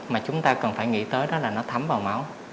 mà chúng ta cần phải nghĩ tới đó là nó thấm vào máu